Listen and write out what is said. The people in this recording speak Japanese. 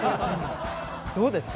どうですか？